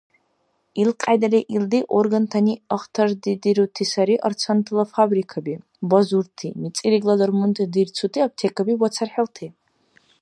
Илкьяйдали илди органтани ахтардидирути сари арцантала фабрикаби, базурти, мицӀирагла дармунти дирцути аптекаби ва цархӀилти.